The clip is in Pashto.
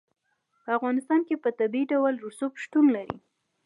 په افغانستان کې په طبیعي ډول رسوب شتون لري.